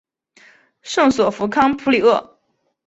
圣索弗康普里厄。